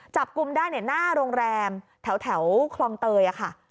จับกลุ่มได้หน้าโรงแรมแถวคลองเตยค่ะ